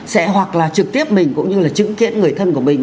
sẽ hoặc là trực tiếp mình cũng như là chứng kiến người thân của mình